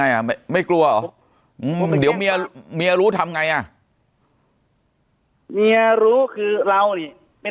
ไงอ่ะไม่กลัวเดี๋ยวเมียรู้ทำไงอ่ะเมียรู้คือเรานี่ไม่